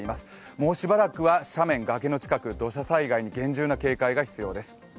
もうしばらくは斜面、崖の近く、土砂災害に厳重な警戒が必要です。